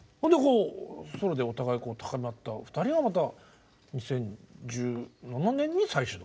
ソロでお互い高め合った２人がまた２０１７年に再始動。